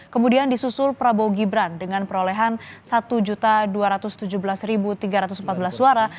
kemudian disusul prabowo gibran dengan perolehan satu dua ratus tujuh belas tiga ratus empat belas suara